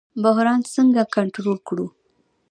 بحران څنګه کنټرول کړو؟